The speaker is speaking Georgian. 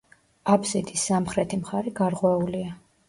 აბსიდის სამხრეთი მხარე გარღვეულია.